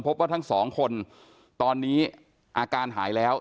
พบว่าทั้งสองคนตอนนี้อาการหายแล้ว